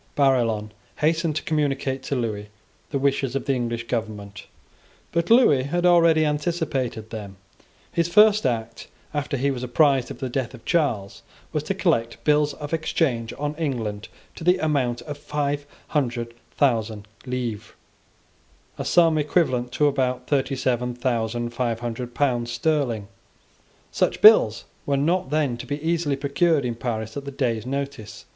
Barillon hastened to communicate to Lewis the wishes of the English government; but Lewis had already anticipated them. His first act, after he was apprised of the death of Charles, was to collect bills of exchange on England to the amount of five hundred thousand livres, a sum equivalent to about thirty seven thousand five hundred pounds sterling Such bills were not then to be easily procured in Paris at day's notice.